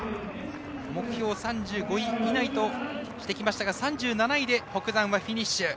目標は３５位以内としてきましたが３７位で北山はフィニッシュ。